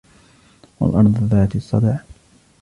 والأرض ذات الصدع